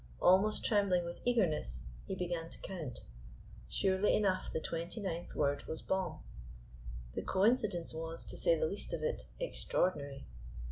Almost trembling with eagerness he began to count. Surely enough the twenty ninth word was Bomb. The coincidence was, to say the least of it, extraordinary.